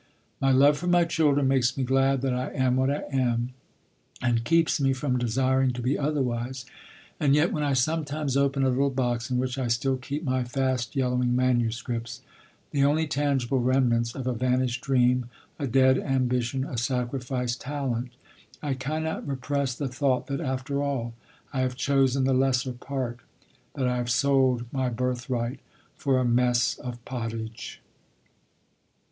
My love for my children makes me glad that I am what I am and keeps me from desiring to be otherwise; and yet, when I sometimes open a little box in which I still keep my fast yellowing manuscripts, the only tangible remnants of a vanished dream, a dead ambition, a sacrificed talent, I cannot repress the thought that, after all, I have chosen the lesser part, that I have sold my birthright for a mess of pottage.